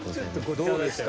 どうですか？